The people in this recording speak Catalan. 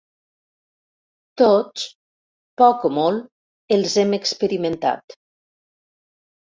Tots, poc o molt, els hem experimentat.